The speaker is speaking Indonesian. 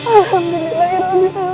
alhamdulillahirrahmanirrahim ya allah